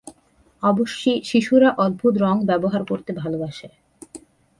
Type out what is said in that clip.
অবশ্যি শিশুরা অদ্ভুত রঙ ব্যবহার করতে ভালবাসে।